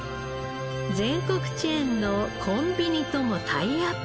全国チェーンのコンビニともタイアップ。